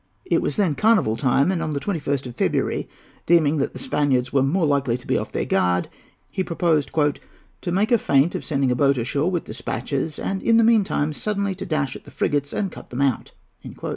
It was then carnival time, and on the 21st of February, deeming that the Spaniards were more likely to be off their guard, he proposed "to make a feint of sending a boat ashore with despatches, and in the mean time suddenly to dash at the frigates and cut them out."